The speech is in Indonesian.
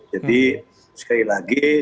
jadi sekali lagi